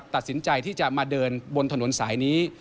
ตัดสินใจที่จะมาเดินบนถนนสายนี้